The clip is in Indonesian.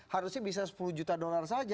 harusnya bisa sepuluh juta dolar saja